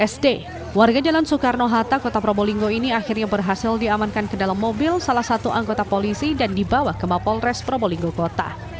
sd warga jalan soekarno hatta kota probolinggo ini akhirnya berhasil diamankan ke dalam mobil salah satu anggota polisi dan dibawa ke mapol res probolinggo kota